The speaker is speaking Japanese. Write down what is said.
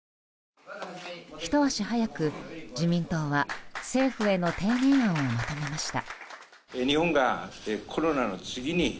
ひと足早く、自民党は政府への提言案をまとめました。